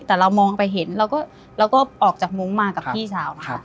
แต่เรามองไปเห็นเราก็ออกจากมุ้งมากับพี่สาวนะคะ